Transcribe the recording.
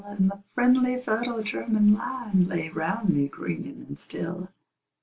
And the friendly fertile German land Lay round me green and still.